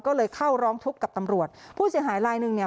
ก็เลยเข้าร้องทุกข์กับตำรวจผู้เสียหายลายหนึ่งเนี่ย